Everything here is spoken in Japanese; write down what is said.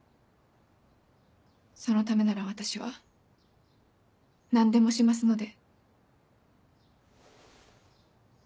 そのためなら私は何でもしますので。